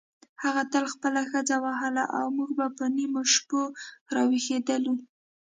هغه تل خپله ښځه وهله او موږ به په نیمو شپو راویښېدلو.